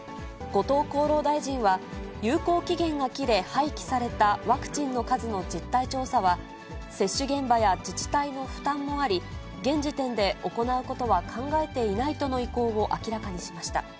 後藤厚労大臣は、有効期限が切れ、廃棄されたワクチンの数の実態調査は、接種現場や自治体の負担もあり、現時点で行うことは考えていないとの意向を明らかにしました。